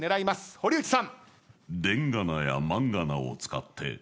堀内さん。